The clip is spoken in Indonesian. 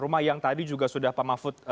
rumah yang tadi juga sudah pak mahfud